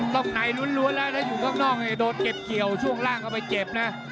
ต้องในล้วนแล้วถ้าอยู่ข้างนอกโดนเก็บเกี่ยวช่วงล่างเข้าไปเจ็บนะ